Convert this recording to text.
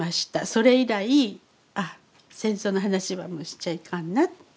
それ以来ああ戦争の話はもうしちゃいかんなと思いました。